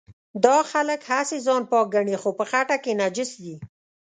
دا خلک هسې ځان پاک ګڼي خو په خټه کې نجس دي.